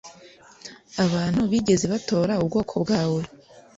abantu bigeze batora ubwonko bwawe